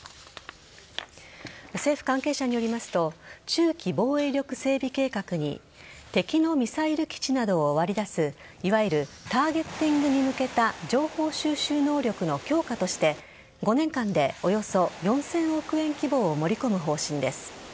政府関係者によりますと中期防衛力整備計画に敵のミサイル基地などを割り出す、いわゆるターゲッティングに向けた情報収集能力の強化として５年間でおよそ４０００億円規模を盛り込む方針です。